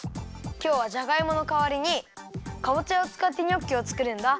きょうはジャガイモのかわりにかぼちゃをつかってニョッキをつくるんだ。